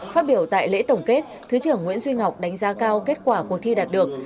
phát biểu tại lễ tổng kết thứ trưởng nguyễn duy ngọc đánh giá cao kết quả cuộc thi đạt được